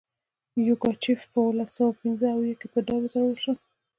یوګاچف په اوولس سوه پنځه اویا کې په دار وځړول شو.